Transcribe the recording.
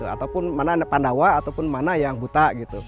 ataupun mana pandawa ataupun mana yang buta